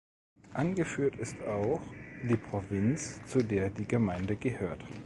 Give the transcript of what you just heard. Angeführt ist auch die Provinz, zu der die Gemeinde gehört.